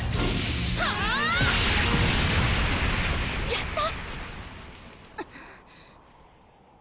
やった！